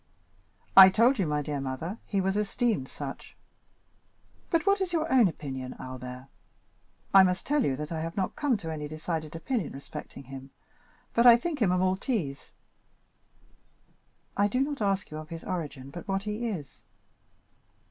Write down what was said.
"I told you, my dear mother, he was esteemed such." "But what is your own opinion, Albert?" "I must tell you that I have not come to any decided opinion respecting him, but I think him a Maltese." "I do not ask you of his origin but what he is."